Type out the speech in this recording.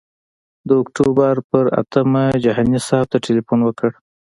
د اکتوبر پر اتمه جهاني صاحب ته تیلفون وکړ.